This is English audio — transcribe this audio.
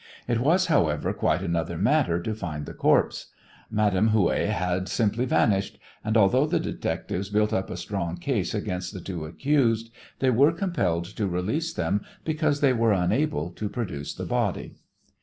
It was, however, quite another matter to find the corpse. Madame Houet had simply vanished, and, although the detectives built up a strong case against the two accused, they were compelled to release them because they were unable to produce the body.